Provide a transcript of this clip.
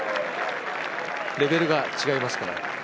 レベルが違いますから。